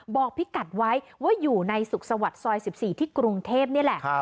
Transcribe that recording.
บอกพี่กัดไว้ว่าอยู่ในสุขสวัสดิ์ซอย๑๔ที่กรุงเทพนี่แหละ